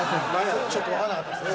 ちょっとわからなかったですね。